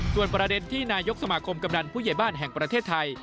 ส่วนประเด็นที่นายกสมาคมกำนันผู้ใหญ่บ้านแห่งประเทศไทย